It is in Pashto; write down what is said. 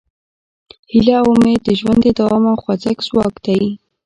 هیله او امید د ژوند د دوام او خوځښت ځواک دی.